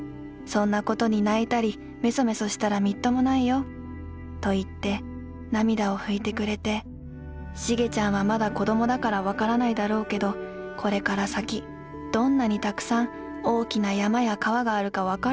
そんな事に泣いたりめそめそしたらみっともないよ』といって涙を拭いてくれて『茂ちゃんはまだ子供だからわからないだろうけどこれから先どんなにたくさん大きな山や河があるかわからないんだヨ。